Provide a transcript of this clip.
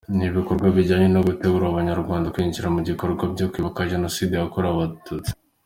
Ni ibikorwa bijyanye no gutegura Abanyarwanda kwinjira mu bikorwa byo kwibuka Jenoside yakorewe Abatutsi.